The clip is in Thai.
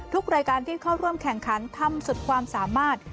รายการที่เข้าร่วมแข่งขันทำสุดความสามารถ